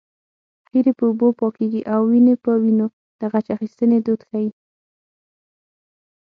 خیرې په اوبو پاکېږي او وينې په وينو د غچ اخیستنې دود ښيي